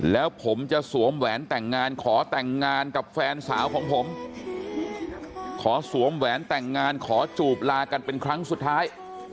แล้วผมจะสวมแหวนแต่งงานขอแต่งงานกับแฟนสาวของผมขอสวมแหวนแต่งงานขอจูบลากันเป็นครั้งสุดท้าย